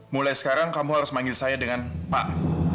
mulai sekarang kamu harus manggil saya dengan pak